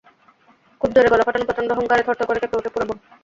খুব জোরে গলা ফাটানো প্রচণ্ড হুংকারে থরথর করে কেঁপে ওঠে পুরো বন।